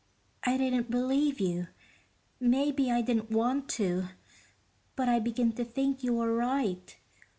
I didn't believe you maybe I didn't want to but I begin to think you were right.